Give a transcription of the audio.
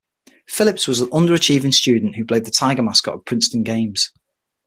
Phillips was an underachieving student who played the tiger mascot at Princeton games.